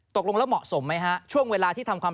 ตกลงแล้วเหมาะสมไหมครับ